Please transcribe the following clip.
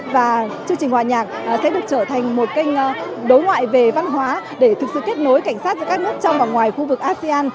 và chương trình hòa nhạc sẽ được trở thành một kênh đối ngoại về văn hóa để thực sự kết nối cảnh sát giữa các nước trong và ngoài khu vực asean